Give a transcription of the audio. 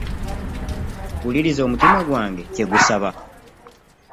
Wuliriza omutima gwange kye gusaba.